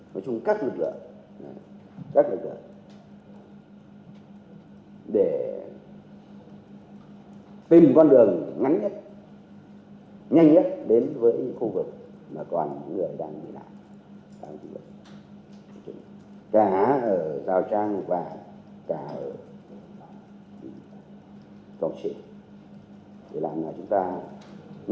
nói chung các lực lượng các lực lượng để tìm con đường ngắn nhất nhanh nhất đến với khu vực mà còn những người đang bị nạn